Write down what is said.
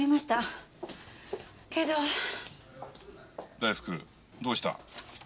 「大福どうした？」